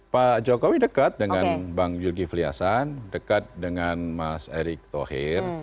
pak jokowi dekat dengan bang zulkifli hasan dekat dengan mas erick thohir